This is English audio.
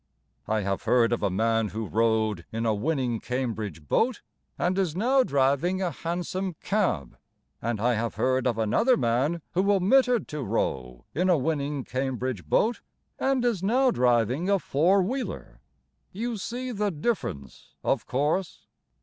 I have heard of a man Who rowed In a winning Cambridge boat And is now driving A hansom cab. And I have heard of another man Who omitted to row In a winning Cambridge boat And is now driving a four wheeler. You see the difference, of course!